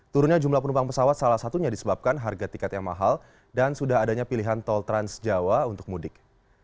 turunnya jumlah penumpang pesawat salah satunya disebabkan harga tiket yang mahal dan sudah adanya pilihan tol transjawa untuk mudik